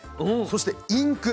そしてインク。